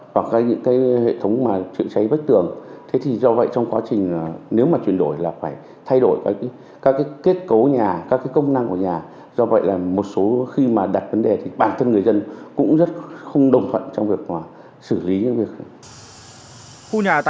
và các thiết bị chữa cháy khác để đến đám cháy nhanh nhất